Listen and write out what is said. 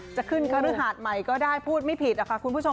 จะขึ้นคฤหาสใหม่ก็ได้พูดไม่ผิดนะคะคุณผู้ชม